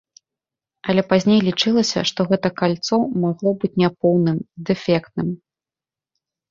Але пазней лічылася, што гэта кольца магло быць няпоўным, дэфектным.